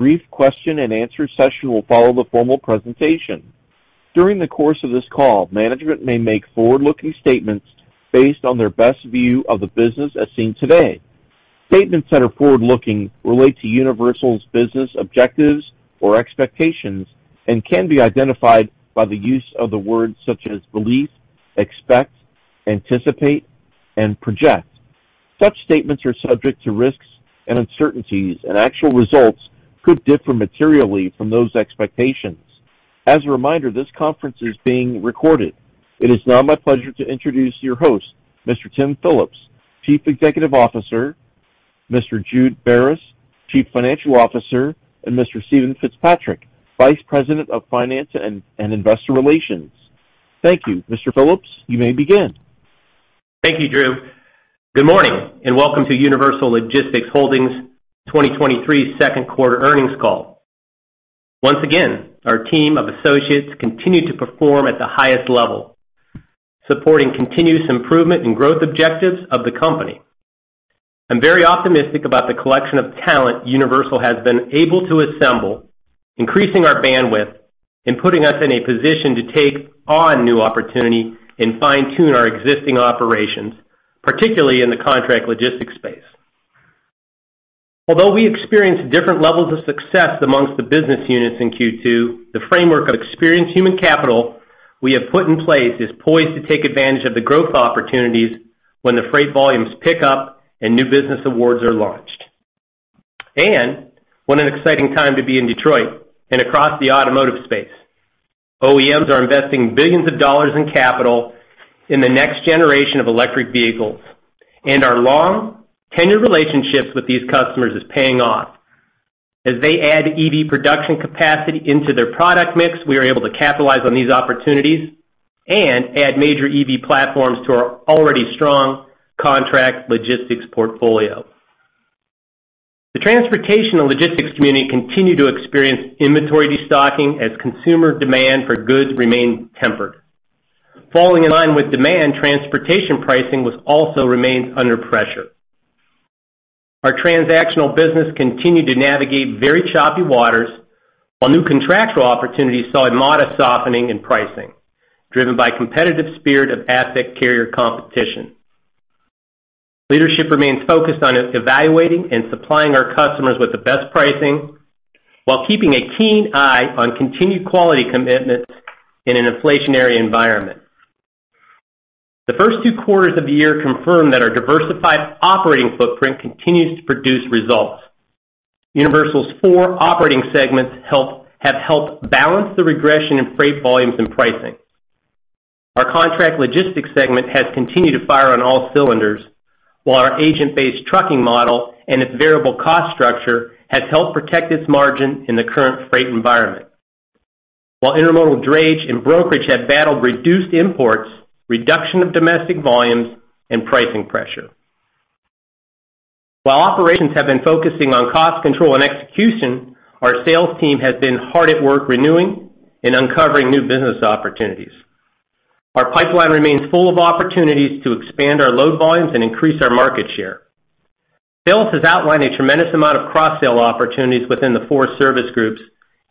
A brief question and answer session will follow the formal presentation. During the course of this call, management may make forward-looking statements based on their best view of the business as seen today. Statements that are forward-looking relate to Universal's business objectives or expectations and can be identified by the use of the words such as believe, expect, anticipate, and project. Such statements are subject to risks and uncertainties, and actual results could differ materially from those expectations. As a reminder, this conference is being recorded. It is now my pleasure to introduce your host, Mr. Tim Phillips, Chief Executive Officer, Mr. Jude Beres, Chief Financial Officer, and Mr. Steven Fitzpatrick, Vice President of Finance and Investor Relations. Thank you. Mr. Phillips, you may begin. Thank you, Drew. Good morning, and welcome to Universal Logistics Holdings 2023 second quarter earnings call. Once again, our team of associates continued to perform at the highest level, supporting continuous improvement and growth objectives of the company. I'm very optimistic about the collection of talent Universal has been able to assemble, increasing our bandwidth and putting us in a position to take on new opportunity and fine-tune our existing operations, particularly in the contract logistics space. Although we experienced different levels of success amongst the business units in Q2, the framework of experienced human capital we have put in place is poised to take advantage of the growth opportunities when the freight volumes pick up and new business awards are launched. What an exciting time to be in Detroit and across the automotive space. OEMs are investing billions of dollars in capital in the next generation of electric vehicles, and our long, tenured relationships with these customers is paying off. As they add EV production capacity into their product mix, we are able to capitalize on these opportunities and add major EV platforms to our already strong contract logistics portfolio. The transportation and logistics community continued to experience inventory destocking as consumer demand for goods remained tempered. Falling in line with demand, transportation pricing was also remained under pressure. Our transactional business continued to navigate very choppy waters, while new contractual opportunities saw a modest softening in pricing, driven by competitive spirit of asset carrier competition. Leadership remains focused on evaluating and supplying our customers with the best pricing while keeping a keen eye on continued quality commitments in an inflationary environment. The first two quarters of the year confirm that our diversified operating footprint continues to produce results. Universal's 4 operating segments have helped balance the regression in freight volumes and pricing. Our contract logistics segment has continued to fire on all cylinders, while our agent-based trucking model and its variable cost structure has helped protect its margin in the current freight environment. Intermodal drayage and brokerage have battled reduced imports, reduction of domestic volumes, and pricing pressure. Operations have been focusing on cost control and execution, our sales team has been hard at work renewing and uncovering new business opportunities. Our pipeline remains full of opportunities to expand our load volumes and increase our market share. Sales has outlined a tremendous amount of cross-sale opportunities within the four service groups,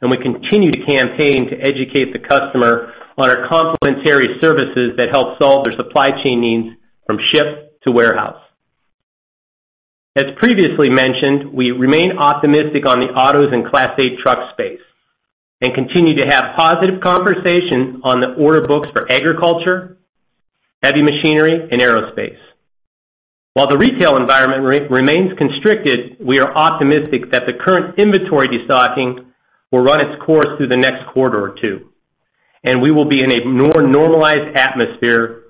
and we continue to campaign to educate the customer on our complementary services that help solve their supply chain needs from ship to warehouse. As previously mentioned, we remain optimistic on the autos and Class 8 truck space and continue to have positive conversations on the order books for agriculture, heavy machinery, and aerospace. While the retail environment remains constricted, we are optimistic that the current inventory destocking will run its course through the next quarter or two, and we will be in a more normalized atmosphere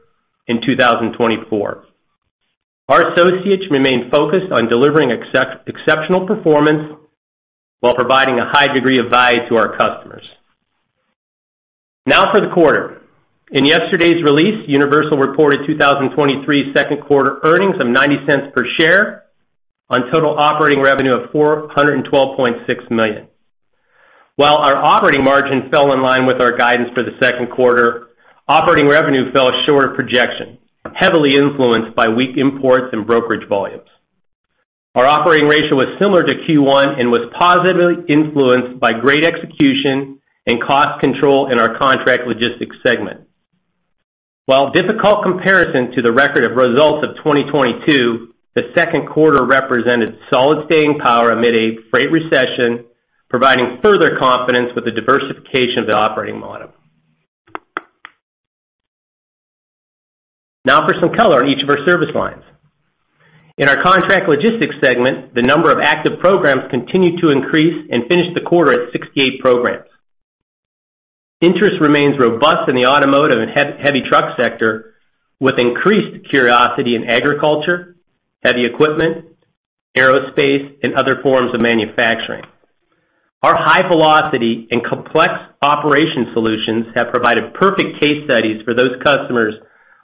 in 2024. Our associates remain focused on delivering exceptional performance while providing a high degree of value to our customers. Now for the quarter. In yesterday's release, Universal reported 2023 second quarter earnings of $0.90 per share on total operating revenue of $412.6 million. While our operating margin fell in line with our guidance for the second quarter, operating revenue fell short of projections, heavily influenced by weak imports and brokerage volumes. Our operating ratio was similar to Q1 and was positively influenced by great execution and cost control in our contract logistics segment. While difficult comparison to the record of results of 2022, the second quarter represented solid staying power amid a freight recession, providing further confidence with the diversification of the operating model. Now for some color on each of our service lines. In our contract logistics segment, the number of active programs continued to increase and finished the quarter at 68 programs. Interest remains robust in the automotive and heavy truck sector, with increased curiosity in agriculture, heavy equipment, aerospace, and other forms of manufacturing. Our high velocity and complex operation solutions have provided perfect case studies for those customers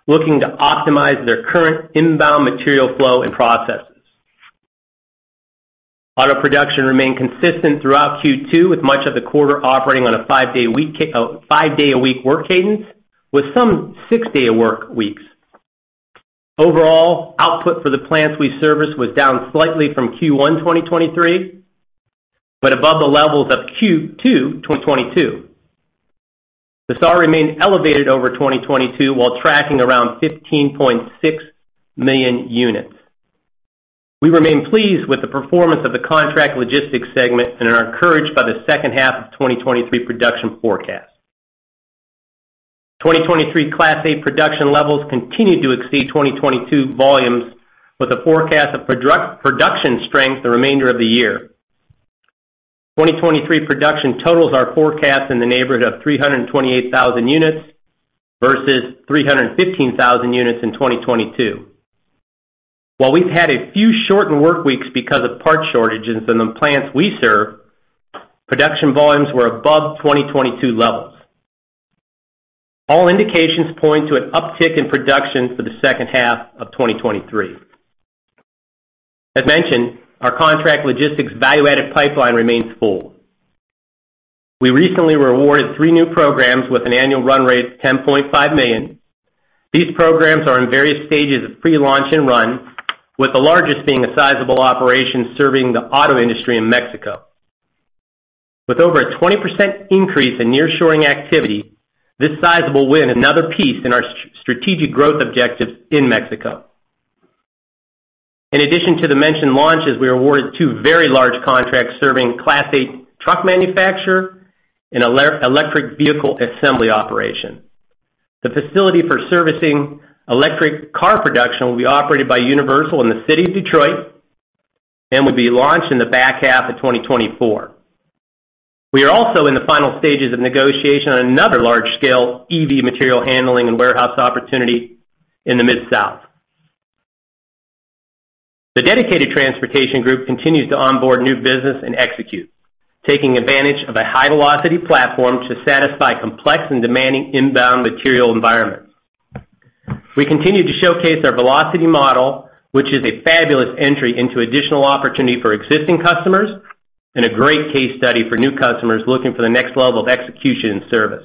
looking to optimize their current inbound material flow and processes. Auto production remained consistent throughout Q2, with much of the quarter operating on a five-day-a-week work cadence, with some six-day-a-work weeks. Overall, output for the plants we service was down slightly from Q1 2023, but above the levels of Q2 2022. The SAAR remained elevated over 2022, while tracking around 15.6 million units. We remain pleased with the performance of the contract logistics segment and are encouraged by the second half of 2023 production forecast. 2023 Class A production levels continued to exceed 2022 volumes, with a forecast of production strength the remainder of the year. 2023 production totals are forecast in the neighborhood of 328,000 units versus 315,000 units in 2022. While we've had a few shortened work weeks because of part shortages in the plants we serve, production volumes were above 2022 levels. All indications point to an uptick in production for the second half of 2023. As mentioned, our contract logistics value-added pipeline remains full. We recently were awarded three new programs with an annual run rate of $10.5 million. These programs are in various stages of pre-launch and run, with the largest being a sizable operation serving the auto industry in Mexico. With over a 20% increase in nearshoring activity, this sizable win, another piece in our strategic growth objectives in Mexico. In addition to the mentioned launches, we were awarded two very large contracts serving Class A truck manufacturer and electric vehicle assembly operation. The facility for servicing electric car production will be operated by Universal in the city of Detroit and will be launched in the back half of 2024. We are also in the final stages of negotiation on another large-scale EV material handling and warehouse opportunity in the Mid-South. The Dedicated transportation group continues to onboard new business and execute, taking advantage of a high-velocity platform to satisfy complex and demanding inbound material environments. We continue to showcase our velocity model, which is a fabulous entry into additional opportunity for existing customers and a great case study for new customers looking for the next level of execution and service.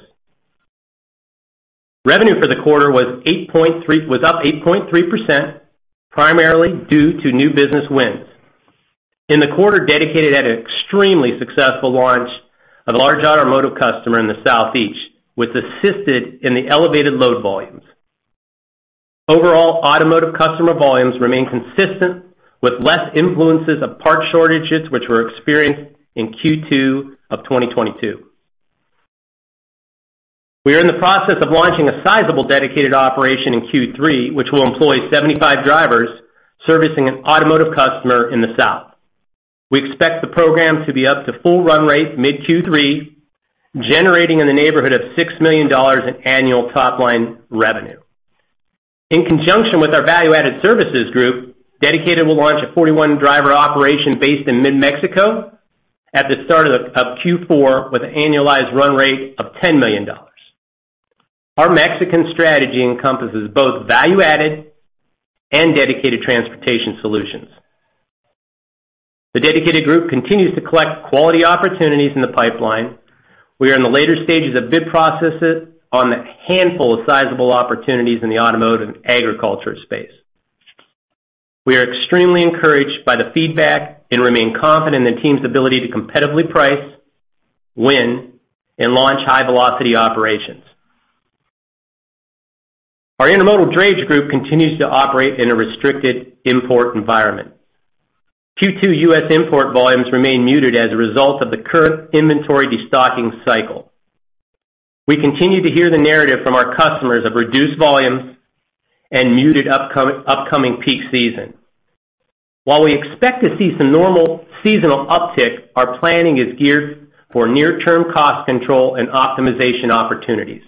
Revenue for the quarter was up 8.3%, primarily due to new business wins. In the quarter, Dedicated had an extremely successful launch of a large automotive customer in the Southeast, which assisted in the elevated load volumes. Overall, automotive customer volumes remain consistent, with less influences of part shortages, which were experienced in Q2 of 2022. We are in the process of launching a sizable Dedicated operation in Q3, which will employ 75 drivers servicing an automotive customer in the South. We expect the program to be up to full run rate mid-Q3, generating in the neighborhood of $6 million in annual top-line revenue. In conjunction with our value-added services group, Dedicated will launch a 41 driver operation based in mid-Mexico at the start of Q4, with an annualized run rate of $10 million. Our Mexican strategy encompasses both value-added and dedicated transportation solutions. The Dedicated group continues to collect quality opportunities in the pipeline. We are in the later stages of bid processes on a handful of sizable opportunities in the automotive and agriculture space. We are extremely encouraged by the feedback and remain confident in the team's ability to competitively price, win, and launch high-velocity operations. Our Intermodal drayage group continues to operate in a restricted import environment. Q2 U.S. import volumes remain muted as a result of the current inventory destocking cycle. We continue to hear the narrative from our customers of reduced volumes and muted upcoming peak season. While we expect to see some normal seasonal uptick, our planning is geared for near-term cost control and optimization opportunities.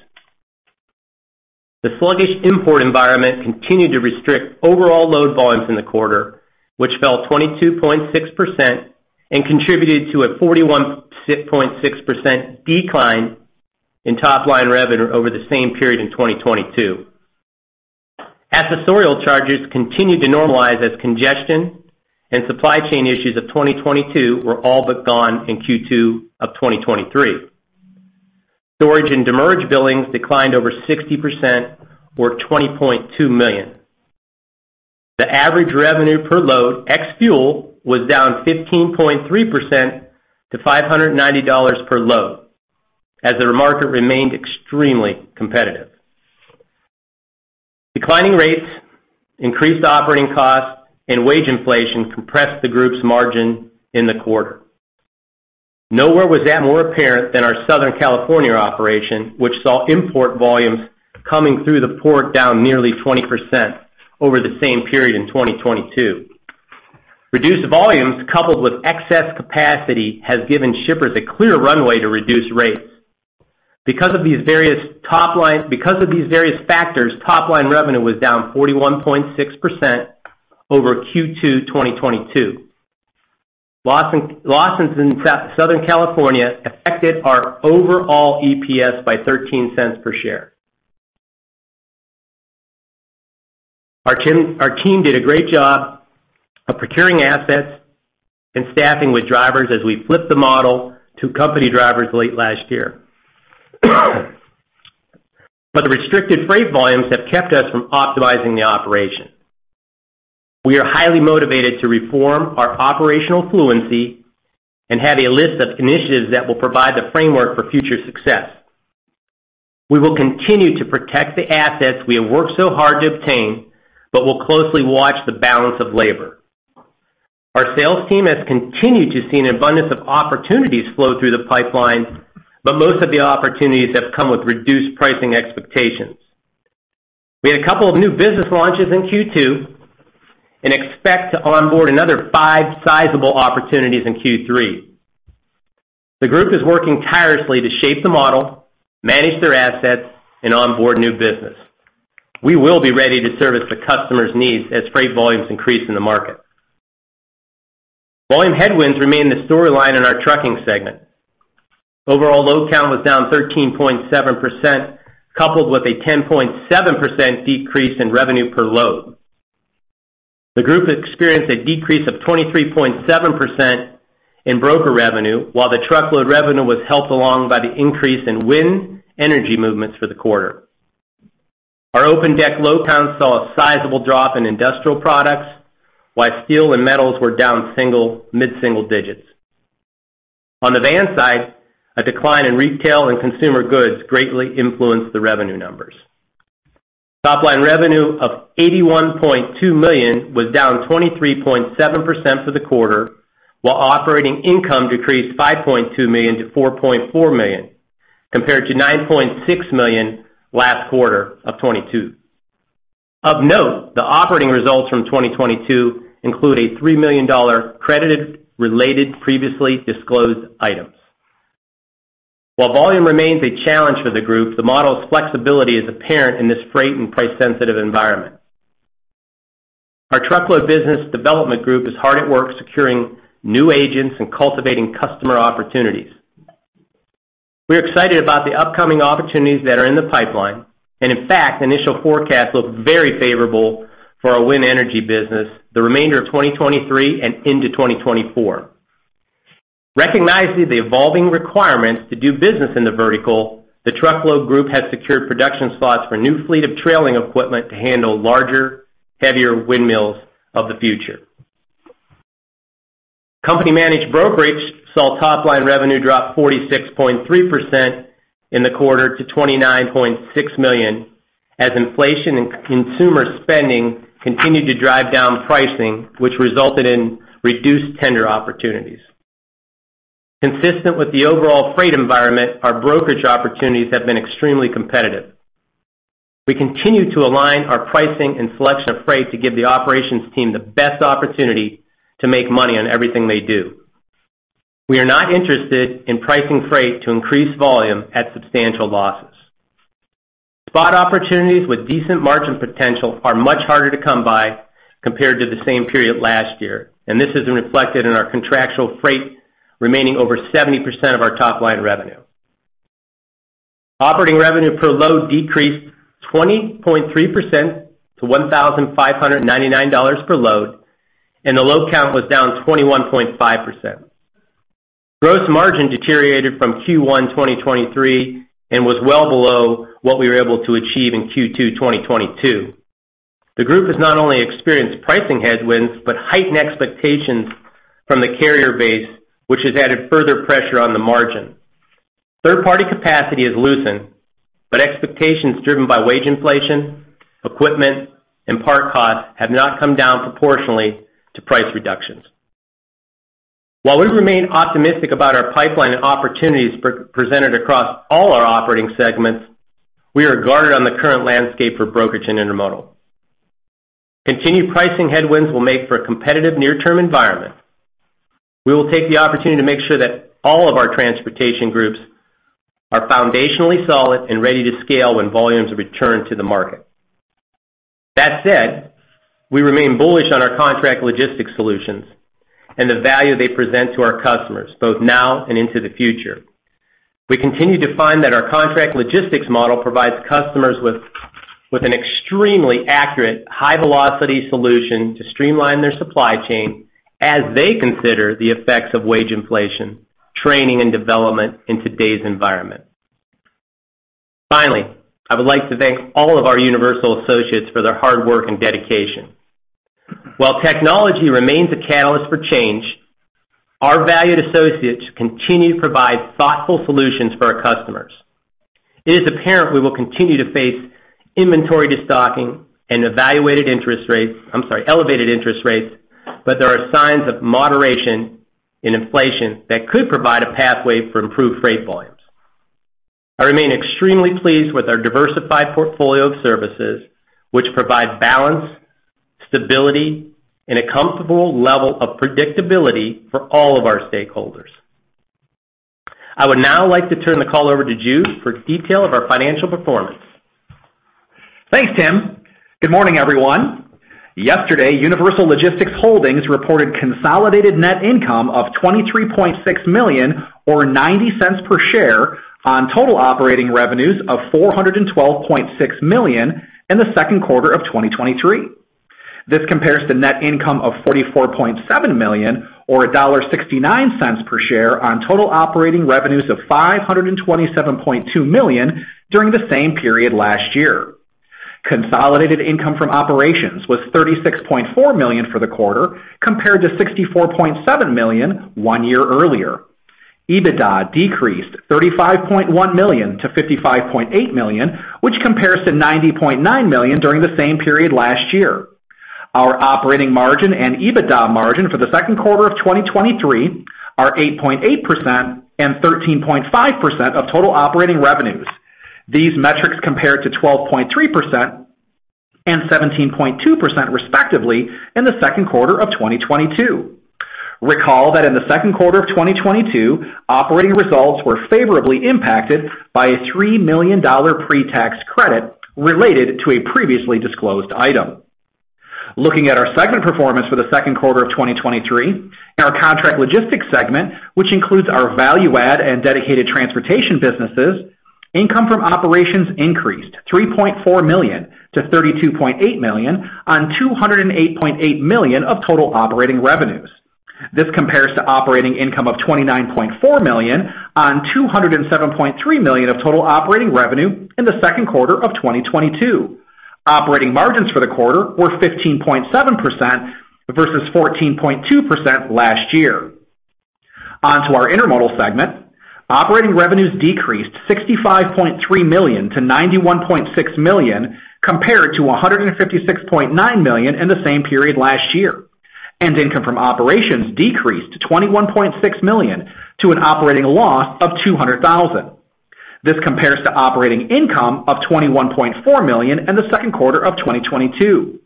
The sluggish import environment continued to restrict overall load volumes in the quarter, which fell 22.6% and contributed to a 41.6% decline in top-line revenue over the same period in 2022. Accessorial charges continued to normalize as congestion and supply chain issues of 2022 were all but gone in Q2 2023. Storage and demurrage billings declined over 60% or $20.2 million. The average revenue per load, ex fuel, was down 15.3% to $590 per load, as the market remained extremely competitive. Declining rates, increased operating costs, and wage inflation compressed the group's margin in the quarter. Nowhere was that more apparent than our Southern California operation, which saw import volumes coming through the port, down nearly 20% over the same period in 2022. Reduced volumes, coupled with excess capacity, has given shippers a clear runway to reduce rates. Because of these various factors, top-line revenue was down 41.6% over Q2 2022. Losses in Southern California affected our overall EPS by $0.13 per share. Our team did a great job of procuring assets and staffing with drivers as we flip the model to company drivers late last year. The restricted freight volumes have kept us from optimizing the operation. We are highly motivated to reform our operational fluency and have a list of initiatives that will provide the framework for future success. We will continue to protect the assets we have worked so hard to obtain, but we'll closely watch the balance of labor. Our sales team has continued to see an abundance of opportunities flow through the pipeline, but most of the opportunities have come with reduced pricing expectations. We had a couple of new business launches in Q2, and expect to onboard another five sizable opportunities in Q3. The group is working tirelessly to shape the model, manage their assets, and onboard new business. We will be ready to service the customers' needs as freight volumes increase in the market. Volume headwinds remain the storyline in our trucking segment. Overall, load count was down 13.7%, coupled with a 10.7% decrease in revenue per load. The group experienced a decrease of 23.7% in broker revenue, while the truckload revenue was helped along by the increase in wind energy movements for the quarter. Our open deck load count saw a sizable drop in industrial products, while steel and metals were down mid-single digits. On the van side, a decline in retail and consumer goods greatly influenced the revenue numbers. Top-line revenue of $81.2 million was down 23.7% for the quarter, while operating income decreased $5.2 million to 4.4 million, compared to 9.6 million last quarter of 2022. Of note, the operating results from 2022 include a $3 million credited related previously disclosed items. While volume remains a challenge for the group, the model's flexibility is apparent in this freight and price-sensitive environment. Our truckload business development group is hard at work securing new agents and cultivating customer opportunities. We're excited about the upcoming opportunities that are in the pipeline. In fact, initial forecasts look very favorable for our wind energy business, the remainder of 2023 and into 2024. Recognizing the evolving requirements to do business in the vertical, the truckload group has secured production slots for a new fleet of trailing equipment to handle larger, heavier windmills of the future. Company-managed brokerage saw top-line revenue drop 46.3% in the quarter to $29.6 million, as inflation and consumer spending continued to drive down pricing, which resulted in reduced tender opportunities. Consistent with the overall freight environment, our brokerage opportunities have been extremely competitive. We continue to align our pricing and selection of freight to give the operations team the best opportunity to make money on everything they do. We are not interested in pricing freight to increase volume at substantial losses. Spot opportunities with decent margin potential are much harder to come by compared to the same period last year, and this is reflected in our contractual freight remaining over 70% of our top-line revenue. Operating revenue per load decreased 20.3% to $1,599 per load, and the load count was down 21.5%. Gross margin deteriorated from Q1 2023, and was well below what we were able to achieve in Q2 2022. The group has not only experienced pricing headwinds, but heightened expectations from the carrier base, which has added further pressure on the margin. Third-party capacity has loosened, expectations driven by wage inflation, equipment, and part costs have not come down proportionally to price reductions. While we remain optimistic about our pipeline and opportunities presented across all our operating segments, we are guarded on the current landscape for brokerage and intermodal. Continued pricing headwinds will make for a competitive near-term environment. We will take the opportunity to make sure that all of our transportation groups are foundationally solid and ready to scale when volumes return to the market. That said, we remain bullish on our contract logistics solutions and the value they present to our customers, both now and into the future. We continue to find that our contract logistics model provides customers with an extremely accurate, high-velocity solution to streamline their supply chain as they consider the effects of wage inflation, training, and development in today's environment. Finally, I would like to thank all of our Universal associates for their hard work and dedication. While technology remains a catalyst for change, our valued associates continue to provide thoughtful solutions for our customers. It is apparent we will continue to face inventory destocking and I'm sorry, elevated interest rates. There are signs of moderation in inflation that could provide a pathway for improved freight volumes. I remain extremely pleased with our diversified portfolio of services, which provide balance, stability, and a comfortable level of predictability for all of our stakeholders. I would now like to turn the call over to Jude for detail of our financial performance. Thanks, Tim. Good morning, everyone. Yesterday, Universal Logistics Holdings reported consolidated net income of $23.6 million, or 0.90 per share on total operating revenues of $412.6 million in the second quarter of 2023. This compares to net income of $44.7 million, or 1.69 per share on total operating revenues of $527.2 million during the same period last year. Consolidated income from operations was $36.4 million for the quarter, compared to $64.7 million one year earlier. EBITDA decreased $35.1 million to 55.8 million, which compares to $90.9 million during the same period last year. Our operating margin and EBITDA margin for the second quarter of 2023 are 8.8% and 13.5% of total operating revenues. These metrics compare to 12.3% and 17.2%, respectively, in the second quarter of 2022. Recall that in the second quarter of 2022, operating results were favorably impacted by a $3 million pre-tax credit related to a previously disclosed item. Looking at our segment performance for the second quarter of 2023, in our Contract Logistics Segment, which includes our value-added and Dedicated transportation businesses, income from operations increased $3.4 million to 32.8 million on 208.8 million of total operating revenues. This compares to operating income of $29.4 million on 207.3 million of total operating revenue in the second quarter of 2022. Operating margins for the quarter were 15.7% versus 14.2% last year. Onto our intermodal segment, operating revenues decreased $65.3 million to 91.6 million, compared to 156.9 million in the same period last year. Income from operations decreased to $21.6 million to an operating loss of $200,000. This compares to operating income of $21.4 million in the second quarter of 2022.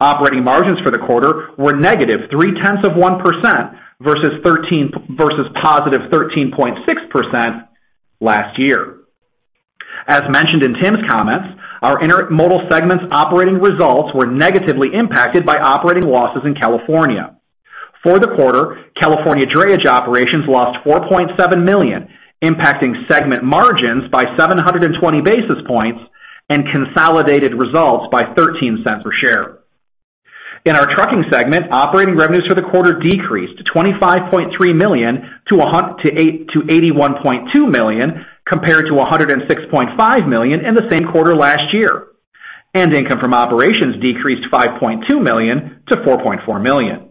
Operating margins for the quarter were -0.3% versus 13%, versus +13.6% last year. As mentioned in Tim's comments, our intermodal segment's operating results were negatively impacted by operating losses in California. For the quarter, California drayage operations lost $4.7 million, impacting segment margins by 720 basis points and consolidated results by $0.13 per share. In our trucking segment, operating revenues for the quarter decreased to $25.3 million to 81.2 million, compared to 106.5 million in the same quarter last year. Income from operations decreased $5.2 million to 4.4 million.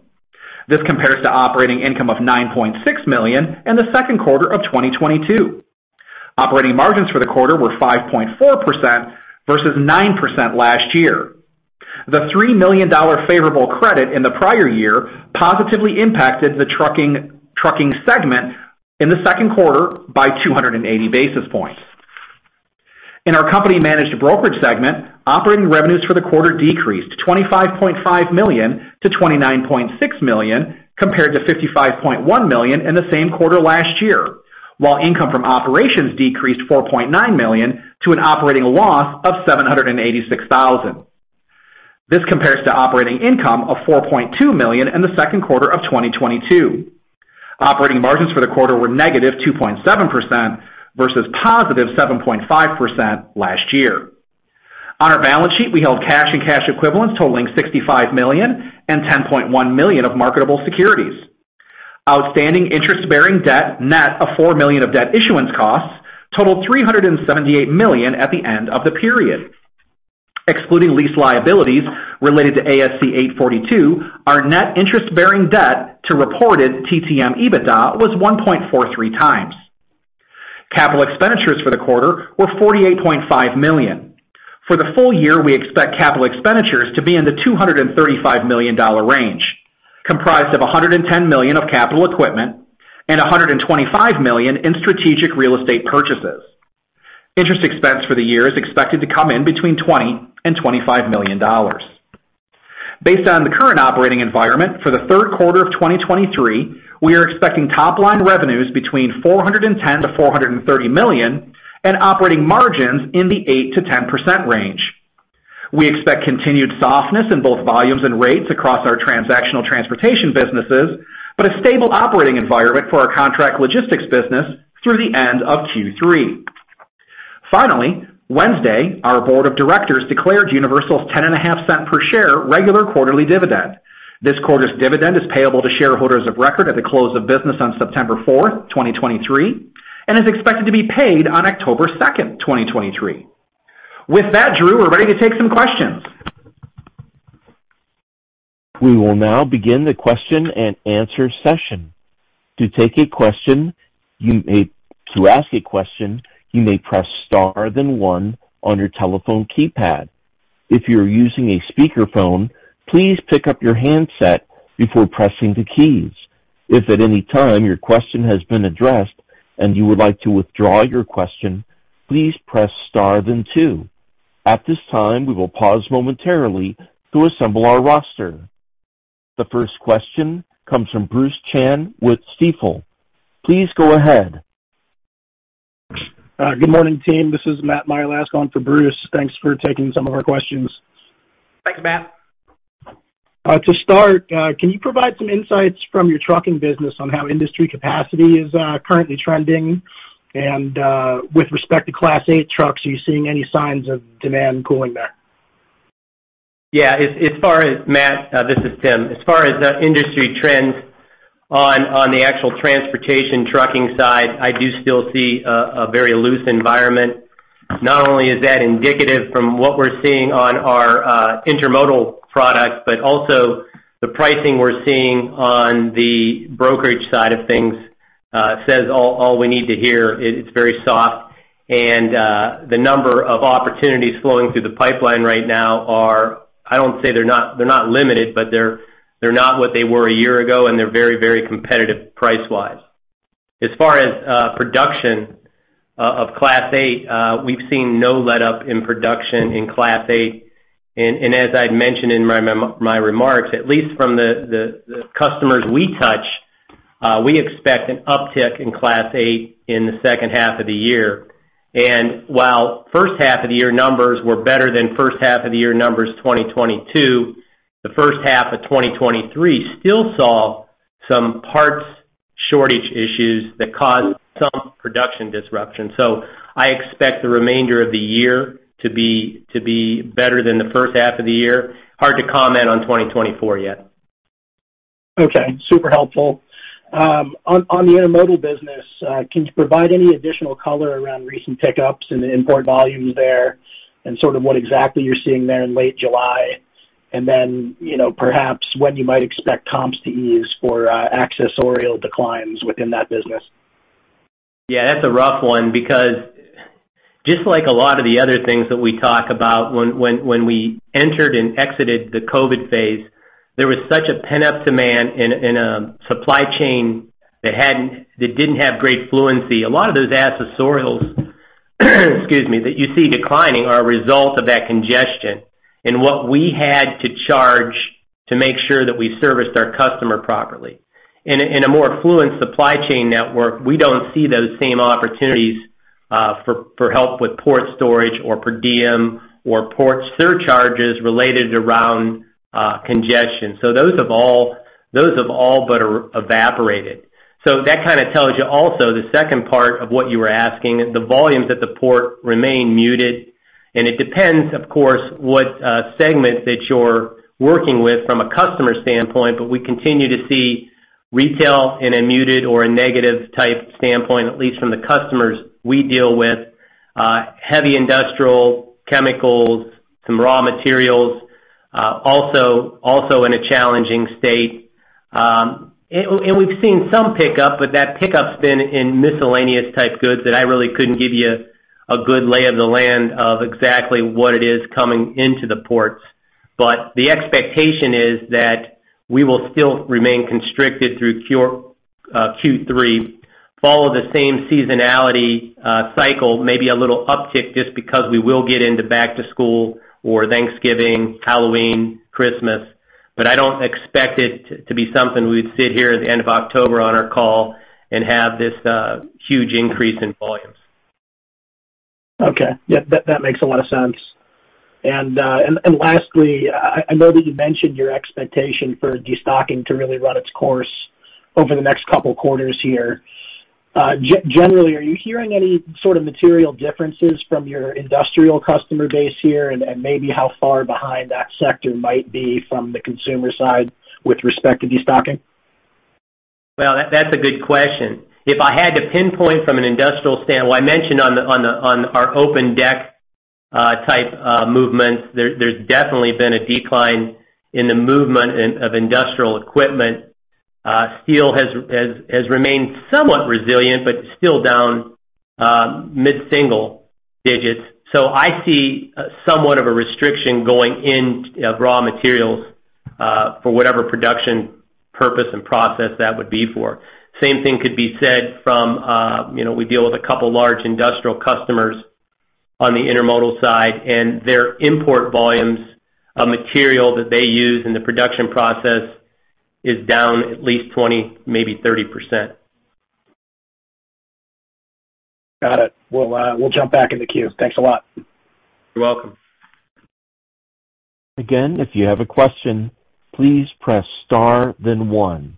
This compares to operating income of $9.6 million in the second quarter of 2022. Operating margins for the quarter were 5.4% versus 9% last year. The $3 million favorable credit in the prior year positively impacted the trucking segment in the second quarter by 280 basis points. In our company managed brokerage segment, operating revenues for the quarter decreased to $25.5 million to 29.6 million, compared to 55.1 million in the same quarter last year, while income from operations decreased $4.9 million to an operating loss of $786,000. This compares to operating income of $4.2 million in the second quarter of 2022. Operating margins for the quarter were negative 2.7% versus positive 7.5% last year. On our balance sheet, we held cash and cash equivalents totaling $65 million and 10.1 million of marketable securities. Outstanding interest-bearing debt, net of $4 million of debt issuance costs, totaled $378 million at the end of the period. Excluding lease liabilities related to ASC 842, our net interest-bearing debt to reported TTM EBITDA was 1.43 times. Capital expenditures for the quarter were $48.5 million. For the full year, we expect capital expenditures to be in the $235 million range, comprised of 110 million of capital equipment and $125 million in strategic real estate purchases. Interest expense for the year is expected to come in between $20 million and 25 million. Based on the current operating environment for the third quarter of 2023, we are expecting top line revenues between $410 million-430 million and operating margins in the 8%-10% range. We expect continued softness in both volumes and rates across our transactional transportation businesses, but a stable operating environment for our contract logistics business through the end of Q3. Finally, Wednesday, our board of directors declared Universal's $0.105 per share regular quarterly dividend. This quarter's dividend is payable to shareholders of record at the close of business on September 4, 2023, and is expected to be paid on October 2, 2023. With that, Drew, we're ready to take some questions. We will now begin the question and answer session. To ask a question, you may press star then one on your telephone keypad. If you're using a speakerphone, please pick up your handset before pressing the keys. If at any time your question has been addressed and you would like to withdraw your question, please press star then two. At this time, we will pause momentarily to assemble our roster. The first question comes from Bruce Chan with Stifel. Please go ahead. Good morning, team. This is Matt Milask for Bruce. Thanks for taking some of our questions. Thanks, Matt. To start, can you provide some insights from your trucking business on how industry capacity is currently trending? With respect to Class 8 trucks, are you seeing any signs of demand cooling there? Yeah, as far as Matt, this is Tim. As far as the industry trends on the actual transportation trucking side, I do still see a very loose environment. Not only is that indicative from what we're seeing on our intermodal products, but also the pricing we're seeing on the brokerage side of things, says all we need to hear. It's very soft, and the number of opportunities flowing through the pipeline right now are, I don't say they're not limited, but they're, they're not what they were a year ago, and they're very, very competitive price-wise. As far as production of Class eight, we've seen no letup in production in Class eight. As I'd mentioned in my remarks, at least from the customers we touch, we expect an uptick in Class eight in the second half of the year. While first half of the year numbers were better than first half of the year numbers 2022, the first half of 2023 still saw some parts shortage issues that caused some production disruptions. I expect the remainder of the year to be better than the first half of the year. Hard to comment on 2024 yet. Okay. Super helpful. On, on the intermodal business, can you provide any additional color around recent pickups and the import volumes there and sort of what exactly you're seeing there in late July? Then, you know, perhaps when you might expect comps to ease for accessorial declines within that business. Yeah, that's a rough one because just like a lot of the other things that we talk about, when, when, when we entered and exited the COVID phase, there was such a pent-up demand in, in a supply chain that hadn't that didn't have great fluency. A lot of those accessorials, excuse me, that you see declining are a result of that congestion and what we had to charge to make sure that we serviced our customer properly. In a, in a more fluent supply chain network, we don't see those same opportunities for, for help with port storage or per diem or port surcharges related around congestion. Those have all, those have all but evaporated. That kind of tells you also, the second part of what you were asking, the volumes at the port remain muted, and it depends, of course, what segment that you're working with from a customer standpoint, but we continue to see retail in a muted or a negative type standpoint, at least from the customers we deal with. Heavy industrial, chemicals, some raw materials, also, also in a challenging state. And, and we've seen some pickup, but that pickup's been in miscellaneous-type goods that I really couldn't give you a good lay of the land of exactly what it is coming into the ports. The expectation is that we will still remain constricted through Q3, follow the same seasonality cycle, maybe a little uptick just because we will get into back to school or Thanksgiving, Halloween, Christmas. I don't expect it to, to be something we'd sit here at the end of October on our call and have this huge increase in volumes. Okay. Yeah, that, that makes a lot of sense. Lastly, I, I know that you mentioned your expectation for destocking to really run its course over the next couple of quarters here. Generally, are you hearing any sort of material differences from your industrial customer base here, and, and maybe how far behind that sector might be from the consumer side with respect to destocking? Well, that's a good question. If I had to pinpoint from an industrial standpoint, well, I mentioned on the, on our open deck type of movements, there's definitely been a decline in the movement in, of industrial equipment. Steel has remained somewhat resilient, but still down mid-single digits. I see somewhat of a restriction going in, of raw materials for whatever production, purpose, and process that would be for. Same thing could be said from, you know, we deal with a couple large industrial customers on the intermodal side, and their import volumes of material that they use in the production process is down at least 20%, maybe 30%. Got it. We'll, we'll jump back in the queue. Thanks a lot. You're welcome. Again, if you have a question, please press star then one.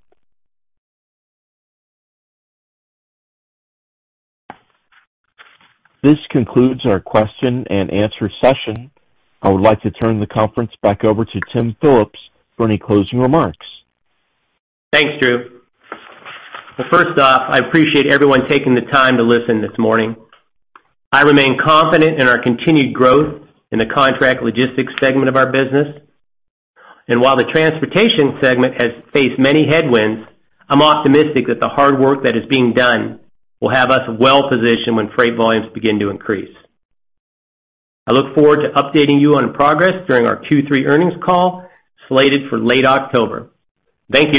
This concludes our question and answer session. I would like to turn the conference back over to Tim Phillips for any closing remarks. Thanks, Drew. Well, first off, I appreciate everyone taking the time to listen this morning. I remain confident in our continued growth in the contract logistics segment of our business. While the transportation segment has faced many headwinds, I'm optimistic that the hard work that is being done will have us well positioned when freight volumes begin to increase. I look forward to updating you on progress during our Q3 earnings call, slated for late October. Thanks again.